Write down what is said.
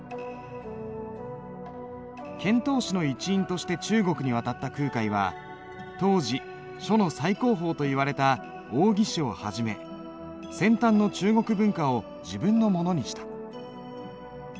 遣唐使の一員として中国に渡った空海は当時書の最高峰といわれた王羲之をはじめ先端の中国文化を自分のものにした。